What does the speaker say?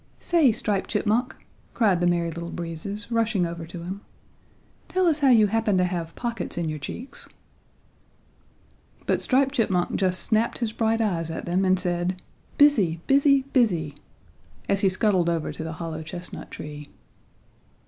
"Say, Striped Chipmunk," cried the Merry Little Breezes, rushing over to him, "tell us how you happen to have pockets in your cheeks." But Striped Chipmunk just snapped his bright eyes at them and said "Busy! busy! busy!" as he scuttled over to the hollow chestnut tree.